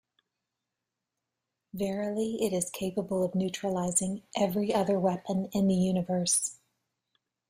Verily, it is capable of neutralizing every other weapon in the universe.